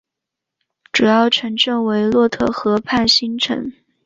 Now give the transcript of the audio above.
主要城镇为洛特河畔新城。